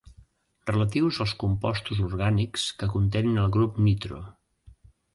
Relatius als compostos orgànics que contenen el grup nitro.